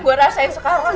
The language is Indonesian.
kampecis sama lo